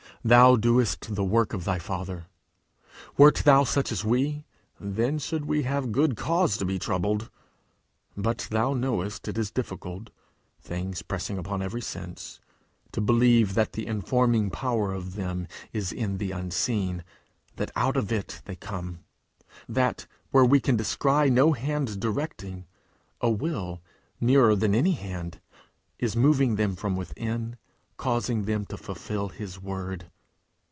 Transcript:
thou doest the work of thy Father! Wert thou such as we, then should we have good cause to be troubled! But thou knowest it is difficult, things pressing upon every sense, to believe that the informing power of them is in the unseen; that out of it they come; that, where we can descry no hand directing, a will, nearer than any hand, is moving them from within, causing them to fulfil his word!